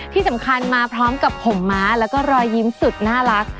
ที่สำคัญมาพร้อมกับผมม้าแล้วก็รอยยิ้มสุดน่ารัก